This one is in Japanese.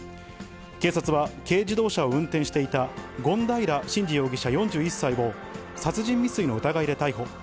警察は、軽自動車を運転していた権平慎次容疑者４１歳を殺人未遂の疑いで逮捕。